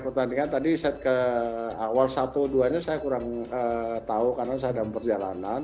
pertandingan tadi set ke awal satu duanya saya kurang tahu karena saya dalam perjalanan